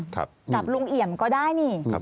กับลุงเอี่ยมก็ได้นี่